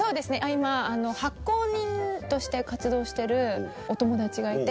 今発酵人として活動してるお友達がいて。